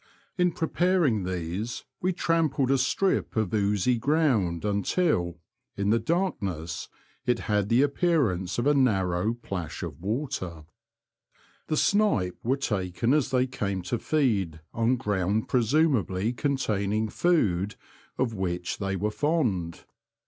In preparing these we trampled a strip of oozy ground until, in the 40 The Confessions of a Poacher. darkness, it had the appearance of a narrow plash of water. The snipe were taken as they came to feed on ground presumably contain ing food of which they were fond.